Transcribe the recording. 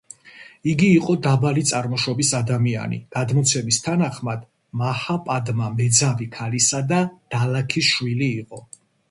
იგი იყო დაბალი წარმოშობის ადამიანი, გადმოცემის თანახმად მაჰაპადმა მეძავი ქალისა და დალაქის შვილი იყო.